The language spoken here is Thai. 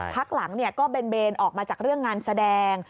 พักหลังก็เบนออกมาจากเรื่องงานแสดง